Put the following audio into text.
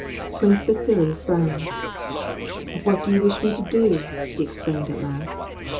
Prince Vasili frowned. ^What do you wish me to do!" he exclaimed at last.